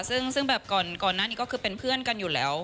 ซึ่งแบบก่อนหน้านี้ก็คือเป็นเพื่อนกันอยู่แล้ว